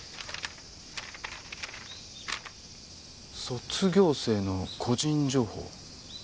「卒業生の個人情報」？